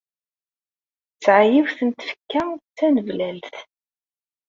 Tesɛa yiwet n tfekka d taneblalt.